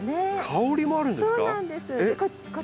香りもあるんですか？